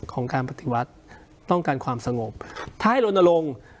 ของการปฏิวัติต้องการความสงบท้ายลนลง